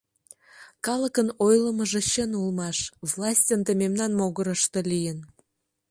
Калыкын ойлымыжо чын улмаш, власть ынде мемнан могырышто лийын.